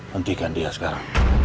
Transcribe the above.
hentikan dia sekarang